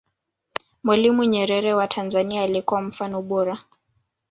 mwalimu nyerere wa tanzania alikuwa mfano bora